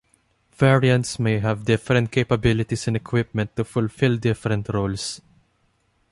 Variants may have different capabilities and equipment to fulfill different roles.